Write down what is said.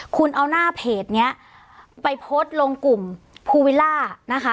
คุณเอาหน้าเพจนี้ไปโพสต์ลงกลุ่มภูวิลล่านะคะ